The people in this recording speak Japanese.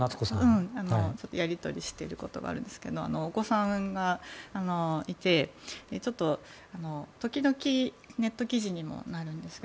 やりとりすることがあるんですがお子さんがいて時々ネット記事にもなるんですが